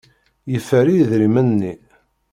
Yeffer idrimen-nni.